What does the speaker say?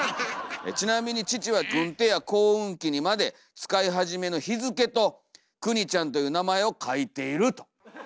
「ちなみに父は軍手や耕うん機にまで使い始めの日付と『クニちゃん』という名前を書いている」と。